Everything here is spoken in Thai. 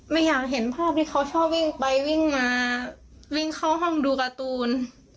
ไม่อยากเห็นภาพที่เขาชอบวิ่งไปวิ่งมาวิ่งเข้าห้องดูการ์ตูน